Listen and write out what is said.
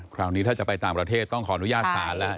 คราวนี้ถ้าจะไปต่างประเทศต้องขออนุญาตศาลแล้ว